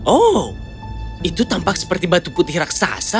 oh itu tampak seperti batu putih raksasa